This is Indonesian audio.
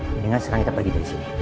mendingan sekarang kita bagi dari sini